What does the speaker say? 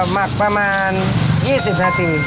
หมักประมาณ๒๐นาที